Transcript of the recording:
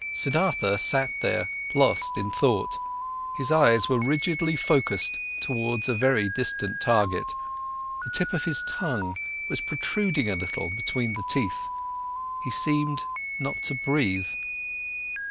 Siddhartha sat there lost in thought, his eyes were rigidly focused towards a very distant target, the tip of his tongue was protruding a little between the teeth, he seemed not to breathe.